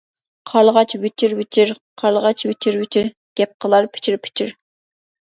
قارلىغاچ ۋىچىر-ۋىچىر قارلىغاچ ۋىچىر-ۋىچىر، گەپ قىلار پىچىر-پىچىر.